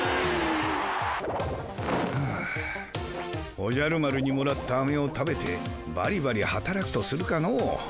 おじゃる丸にもらったあめを食べてバリバリはたらくとするかの。